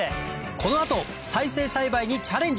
この後再生栽培にチャレンジ